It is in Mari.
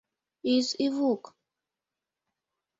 Из-Ивук